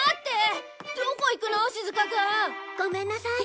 ごめんなさい。